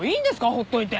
放っといて。